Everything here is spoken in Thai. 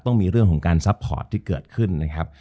ต้องมีเรื่องของการซัพพอร์ตที่เกิดขึ้นนะครับ